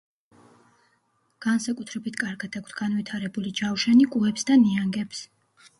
განსაკუთრებით კარგად აქვთ განვითარებული ჯავშანი კუებს და ნიანგებს.